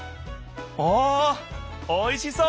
おおいしそう！